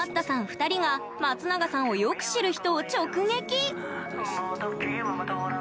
２人が松永さんをよく知る人を直撃。